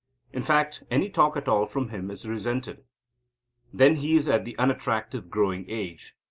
In fact any talk at all from him is resented. Then he is at the unattractive, growing age.